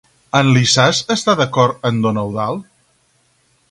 En Lissàs està d'acord amb don Eudald?